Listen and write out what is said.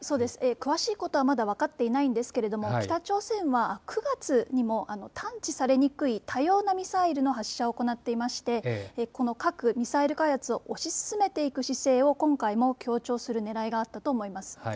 詳しいことはまだ分かっていませんが北朝鮮が９月にも探知されにくい多様なミサイルの発射を行っていましてこの核・ミサイル開発を推し進めていく姿勢を今回も強調するねらいがあったと思います。